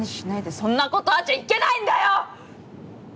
そんなことあっちゃいけないんだよ！